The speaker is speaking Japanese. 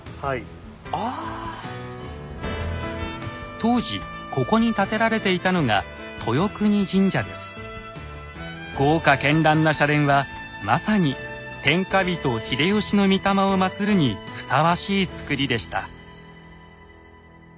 当時ここに建てられていたのが豪華絢爛な社殿はまさに天下人秀吉の御霊をまつるにふさわしい造りでした。